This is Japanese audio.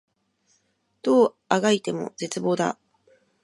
どう足掻いても絶望だ